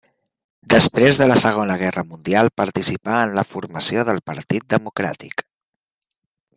Després de la Segona Guerra Mundial participà en la formació del Partit Democràtic.